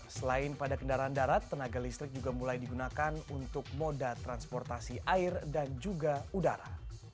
selain pada kendaraan darat tenaga listrik juga mulai digunakan untuk moda transportasi air dan juga udara